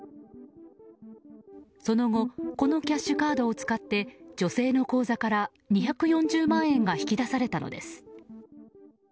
その後このキャッシュカードを使って女性の口座から２４０万円が引き出されたのです。